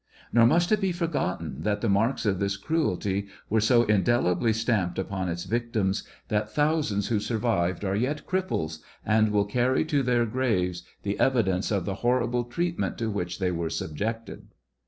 Nor must it be forgotten that the marks of this cruelty were so indelibly stamped upon its victims that thousands who survived are yet cripples, aijd will carry to their graves the evidence of the horrible treatment to' which they were subjected.